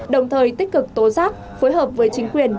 đồng thời tích cực tố giác phối hợp với chính quyền